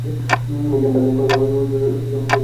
এই গেমটার কোনোভাবেই রিব্যুট হতে পারে না!